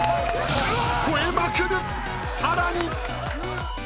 さらに］